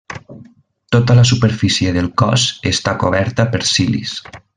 Tota la superfície del cos està coberta per cilis.